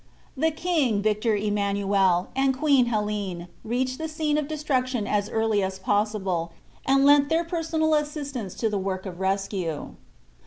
The King, Victor Emmanuel, and Queen Helene reached the scene of destruction as early as possible and lent their personal assistance to the work of rescue.